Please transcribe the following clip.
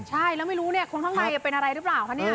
ใช่แล้วไม่รู้คนข้างในเป็นอะไรรึเปล่าคะ